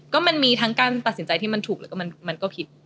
ก็มันมีทั้งการตัดสินใจที่มันถูกแล้วก็มันก็ผิด